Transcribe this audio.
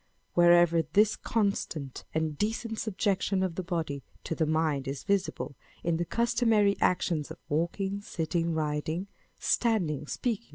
Wherever this constant and decent subjection of the body to the mind is visible in the customary actions of walking, sitting, riding, standing, speaking.